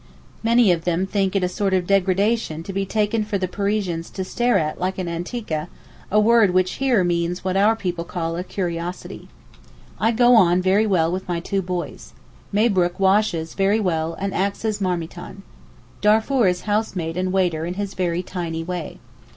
Many of them think it a sort of degradation to be taken for the Parisians to stare at like an anteeka, a word which here means what our people call a 'curiosity.' I go on very well with my two boys. Mabrook washes very well and acts as marmiton. Darfour is housemaid and waiter in his very tiny way.